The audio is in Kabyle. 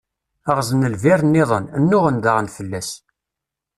Ɣzen lbir-nniḍen, nnuɣen daɣen fell-as.